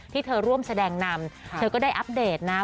ที่เธอร่วมแสดงนำเธอก็ได้อัปเดตนะ